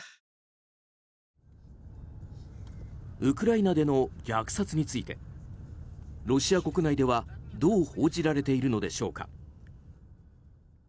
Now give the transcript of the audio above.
ウクライナでの虐殺についてロシア国内では、どう報じられているのでしょうか。